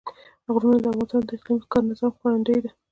غرونه د افغانستان د اقلیمي نظام ښکارندوی ده.